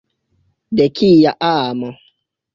De kia amo?